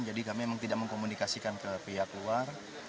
jadi kami memang tidak mengkomunikasikan ke pihak luar